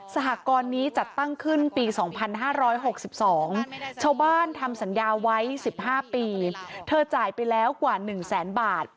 สหกรณ์นี้จัดตั้งขึ้นปี๒๕๖๒ชาวบ้านทำสัญญาไว้๑๕ปีเธอจ่ายไปแล้วกว่า๑แสนบาท